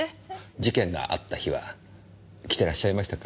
事件があった日は来てらっしゃいましたか？